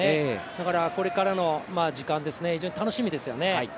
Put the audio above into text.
だから、これからの時間非常に楽しみですね。